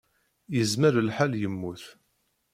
Yezmer lḥal yemmut.